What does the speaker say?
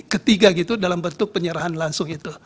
ketiga gitu dalam bentuk penyerahan langsung itu